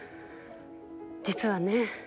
実はね